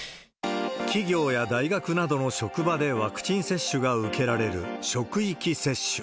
企業や大学などの職場でワクチン接種が受けられる、職域接種。